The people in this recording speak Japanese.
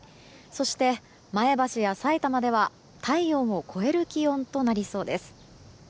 そして、前橋やさいたまでは体温を超える気温となりそうです。